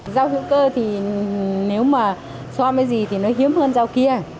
rau hữu cơ thì nếu mà so với gì thì nó hiếm hơn rau kia à